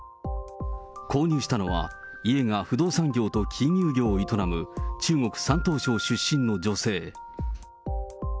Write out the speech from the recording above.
購入したのは家が不動産業と金融業を営む中国・山東省出身の女性。